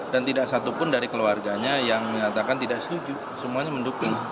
dan tidak satu pun dari keluarganya yang menyatakan tidak setuju semuanya mendukung